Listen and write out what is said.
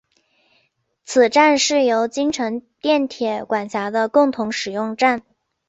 此站是由京成电铁管辖的共同使用站。